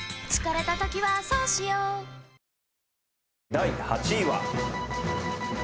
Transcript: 第８位は。